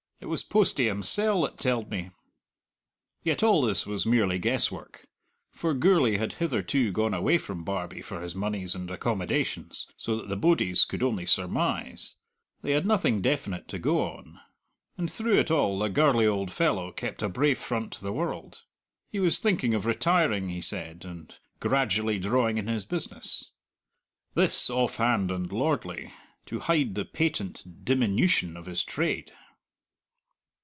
It was Postie himsell that telled me." Yet all this was merely guesswork. For Gourlay had hitherto gone away from Barbie for his moneys and accommodations, so that the bodies could only surmise; they had nothing definite to go on. And through it all the gurly old fellow kept a brave front to the world. He was thinking of retiring, he said, and gradually drawing in his business. This offhand and lordly, to hide the patent diminution of his trade.